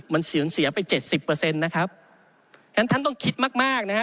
มันเสียไป๗๐นะครับงั้นท่านต้องคิดมากนะฮะ